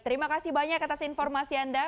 terima kasih banyak atas informasi anda